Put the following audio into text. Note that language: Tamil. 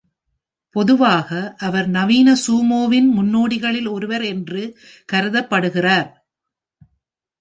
பொதுவாக அவர் நவீன சூமோவின் முன்னோடிகளில் ஒருவர் என்று கருதப்படுகிறார்.